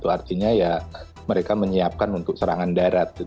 artinya ya mereka menyiapkan untuk serangan darat